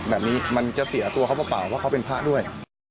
แบบนี้มันจะเสียตัวเขาเปล่าว่าเขาเป็นพระด้วย